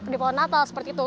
di pohon natal seperti itu